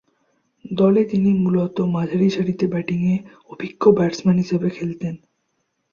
দলে তিনি মূলত মাঝারিসারিতে ব্যাটিংয়ে অভিজ্ঞ ব্যাটসম্যান হিসেবে খেলতেন।